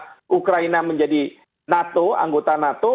jika ukraina menjadi anggota nato